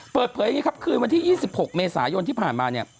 เปิดเผยอย่างนี้ครับคืนวันที่๒๖เมษายนที่ผ่านมาเนี่ย